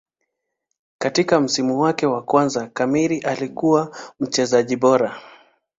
Katika msimu wake wa kwanza kamili alikuwa mchezaji bora